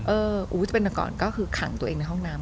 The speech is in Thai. ออกไปแล้วก็คังตัวเองในห้องน้ำ